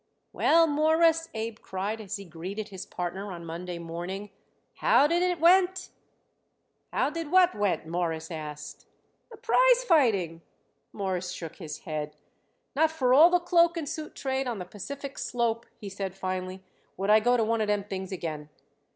"Well, Mawruss," Abe cried as he greeted his partner on Monday morning, "how did it went?" "How did what went?" Morris asked. "The prize fighting." Morris shook his head. "Not for all the cloak and suit trade on the Pacific slope," he said finally, "would I go to one of them things again.